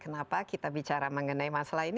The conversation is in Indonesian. kenapa kita bicara mengenai masalah ini